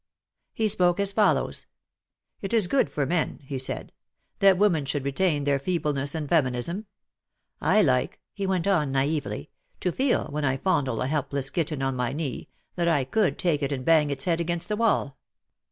He spoke as follows : "It is good for men," he said, ''that women should retain their feeble ness and feminism. I like," he went on naively, to feel, when I fondle a helpless kitten on my knee, that I could take it and bang its head against the wall.